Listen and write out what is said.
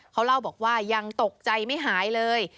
เขาเล่าบอกว่ายังตกใจไม่หายเลย